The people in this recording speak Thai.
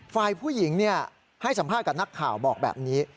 ฝ่ายผู้หญิงให้สัมภาษณ์กับนักข่าวบอกแบบนี้